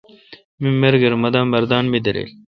می ملگر مہ دا مردان می دیرل۔